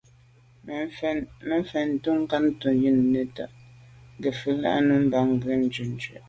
Mafentu nkâgtʉ̌n nə̀ ywǐd ngə̀fə̂l ì nù mbàŋ gə̀ jʉ́ jú.